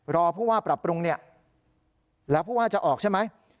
รอผู้ว่าปรับปรุงเนี่ยแล้วผู้ว่าจะออกใช่ไหม